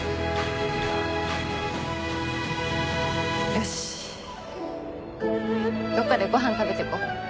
よしどっかでご飯食べてこ。